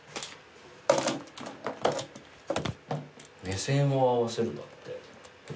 目線を合わせるだって。